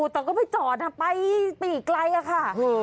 แต่ก็ไม่จอดไปอีกไกลอะค่ะ